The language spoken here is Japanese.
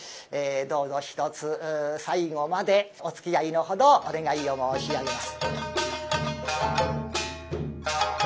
どうぞひとつ最後までおつきあいのほどお願いを申し上げます。